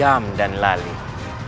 kejam dan lalik